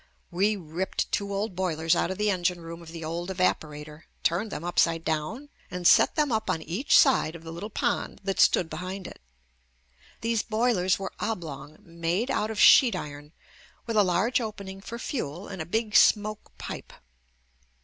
We ripped two old boilers out of the engine room of the old evaporator, turned them upside down and set them up on each side of the little pond that stood behind it. These boilers were oblong, made out of sheet iron, with a large opening for fuel, and a big smoke pipe.